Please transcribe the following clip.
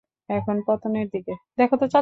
এখন পতনের দিকে।